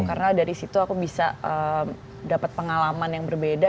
karena dari situ aku bisa dapet pengalaman yang berbeda